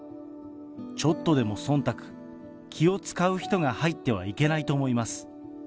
ちょっとでもそんたく、気を遣う人が入ってはいけないと思います。